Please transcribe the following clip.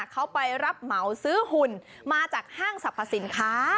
เขาไปรับเหมาซื้อหุ่นมาจากห้างสรรพสินค้า